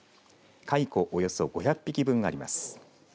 蚕、およそ５００匹分あります。